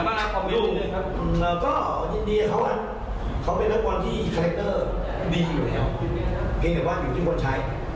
เราก็ต้องชมมาแค่ว่าเขามาพร้อมกับพลังของเขาไหน